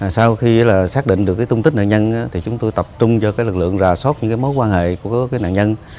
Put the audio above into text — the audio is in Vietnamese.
sau khi là xác định được cái tung tích nạn nhân thì chúng tôi tập trung cho cái lực lượng rà sót những cái mối quan hệ của cái nạn nhân